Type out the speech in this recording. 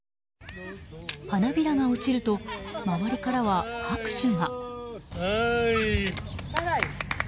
花びらが落ちると周りからは拍手が。